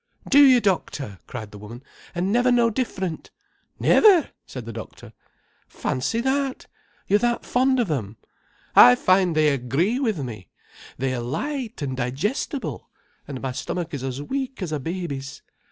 "Do you doctor!" cried the woman. "And never no different." "Never," said the doctor. "Fancy that! You're that fond of them?" "I find they agree with me. They are light and digestible. And my stomach is as weak as a baby's."